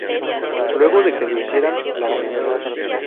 Luego de que lo hicieron, la Sra.